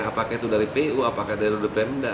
apakah itu dari pu apakah dari udpm untuk menentukan betul